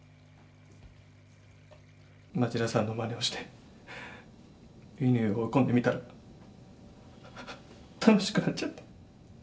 町田さんのまねをして乾を追い込んでみたら楽しくなっちゃって